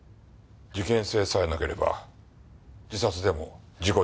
事件性さえなければ自殺でも事故でもいいんですか？